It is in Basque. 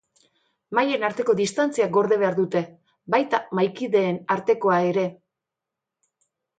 Mahaien arteko distantzia gorde behar dute, baita mahaikideen artekoa ere.